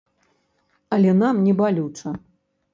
Але нам не балюча.